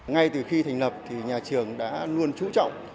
ngay từ khi thành lập thì nhà trường đã luôn trú trọng